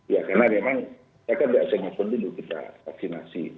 ya karena memang saya kan biasa maupun dulu kita vaksinasi